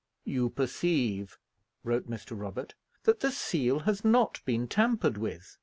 "You perceive," wrote Mr. Robert, "that the seal has not been tampered with.